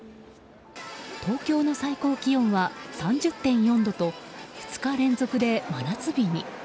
東京の最高気温は３０．４度と２日連続で真夏日に。